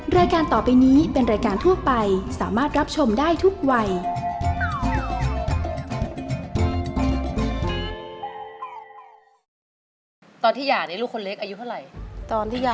รายการต่อไปนี้เป็นรายการทั่วไปสามารถรับชมได้ทุกวัย